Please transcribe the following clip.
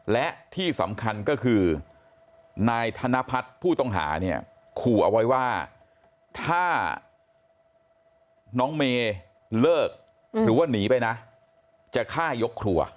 และที่สำคัญก็คือนายธนพัฒน์ผู้ต้องหาเนี่ยขู่เอาไว้ว่าถ้าน้องเมย์เลิกหรือว่าหนีไปนะจะฆ่ายกครัว